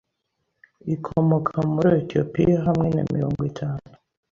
ikomoka muri Etiyopiyahamwe na mirongo itanu